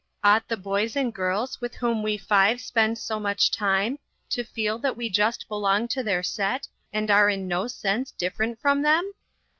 Ought the boys and girls with whom, we five spend so much time, to feel that we just belong to their set, and are in no sense different from them